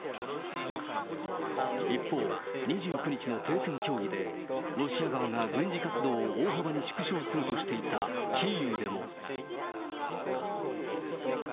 一方、２９日の停戦協議で、ロシア側が軍事活動を大幅に縮小するとしていたキーウでも。